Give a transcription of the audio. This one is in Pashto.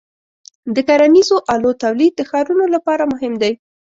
د کرنیزو آلو تولید د ښارونو لپاره مهم دی.